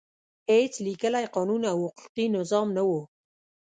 هېڅ لیکلی قانون او حقوقي نظام نه و.